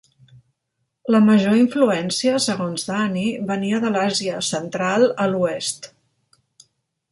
La major influència, segons Dani, venia de l'Àsia Central a l'oest.